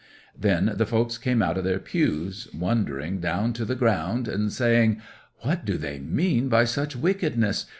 'Then the folks came out of their pews, wondering down to the ground, and saying: "What do they mean by such wickedness!